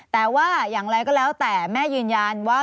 แต่ว่าอย่างไรก็แล้วแต่แม่ยืนยันว่า